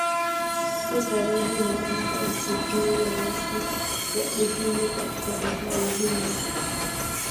Iko karibu na ncha ya kusini ya rasi ya Uhindi katika Bahari Hindi.